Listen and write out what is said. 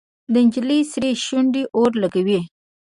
د نجلۍ سرې شونډې اور لګوي.